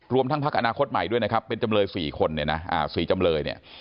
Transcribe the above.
รวมทั้งภักดิ์อาณาคตใหม่ด้วยนะครับเป็นจำเลย๔คนเนี่ยนะ